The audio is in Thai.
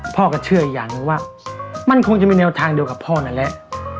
พ่อก็เชื่ออีกอย่างหนึ่งว่ามันคงจะมีแนวทางเดียวกับพ่อนั่นแหละ